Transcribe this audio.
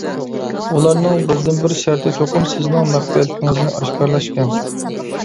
ئۇلارنىڭ بىردىنبىر شەرتى چوقۇم سىزنىڭ مەخپىيەتلىكىڭىزنى ئاشكارىلاش ئىكەن.